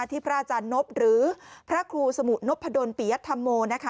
พระอาจารย์นบหรือพระครูสมุนพดลปิยธรรมโมนะคะ